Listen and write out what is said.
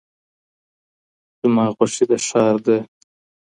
زما خوښي د ښار د